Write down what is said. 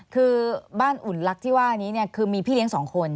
คือบ้านอุ่นลักษณ์ที่ว่านี้เนี่ยคือมีพี่เลี้ยง๒คน